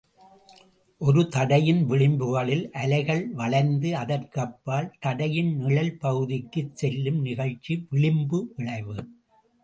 ஒரு தடையின் விளிம்புகளில் அலைகள் வளைந்து அதற்கப்பால் தடையின் நிழல் பகுதிக்குச் செல்லும் நிகழ்ச்சி விளிம்பு விளைவு.